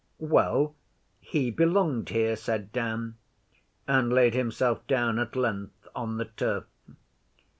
'Well, he belonged here,' said Dan, and laid himself down at length on the turf.